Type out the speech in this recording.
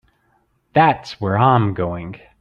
That's where I'm going.